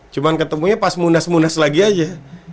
cuma ketemunya pas mundas mundas lagi aja